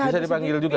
bisa dipanggil juga